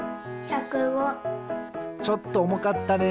ちょっとおもかったね。